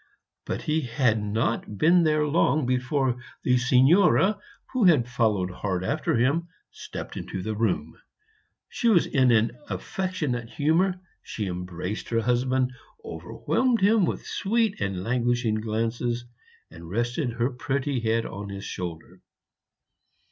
But he had not been there long before the Signora, who had followed hard after him, stepped into the room. She was in an affectionate humor; she embraced her husband, overwhelmed him with sweet and languishing glances, and rested her pretty head on his shoulder.